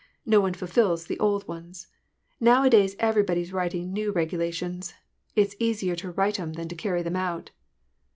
No one fulfils the old ones. Nowadays eyery body's writing new regulations : it's easier to write 'em than to carry them out